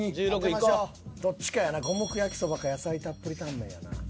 どっちかやな五目焼そばか野菜たっぷりタンメンやな。